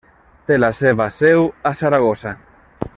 Té la seva seu a Saragossa.